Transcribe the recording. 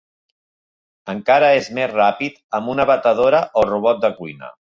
Encara és més ràpid amb una batedora o robot de cuina.